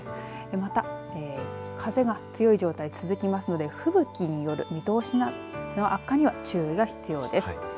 また、風が強い状態が続きますので、吹雪による見通しの悪化には注意が必要です。